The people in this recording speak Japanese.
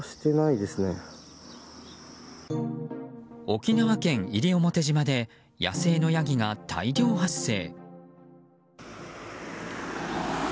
沖縄県西表島で野生のヤギが大量発生。